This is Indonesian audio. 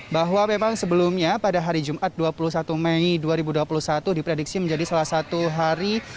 bahwa memang sebelumnya pada hari jumat dua puluh satu mei dua ribu dua puluh satu diprediksi menjadi salah satu hari